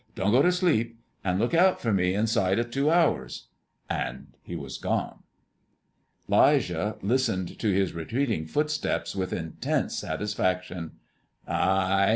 Don't go to sleep, and look out for me inside of two hours." And he was gone. 'Lijah listened to his retreating footsteps with intense satisfaction. "Hi!